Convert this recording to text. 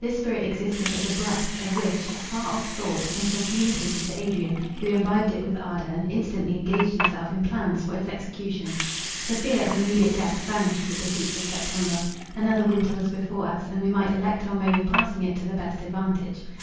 This spirit existed as a breath, a wish, a far off thought, until communicated to Adrian, who imbibed it with ardour, and instantly engaged himself in plans for its execution. The fear of immediate death vanished with the heats of September. Another winter was before us, and we might elect our mode of passing it to the best advantage.